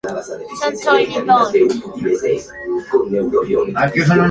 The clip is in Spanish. Stony Point.